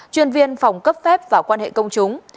chuyên viên phòng cấp phép và quan hệ công chúng